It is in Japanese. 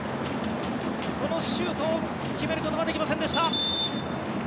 このシュートを決めることができませんでした。